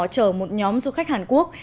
chở một nhóm du khách hàn quốc